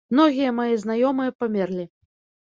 Многія мае знаёмыя памерлі.